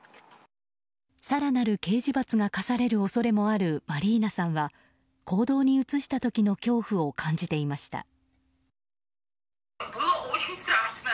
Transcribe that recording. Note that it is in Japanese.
更なる刑事罰が科される恐れもあるマリーナさんは行動に移した時の恐怖を感じていました。